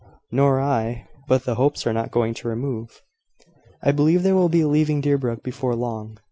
"Nor I: but the Hopes are not going to remove." "I believe they will be leaving Deerbrook before long."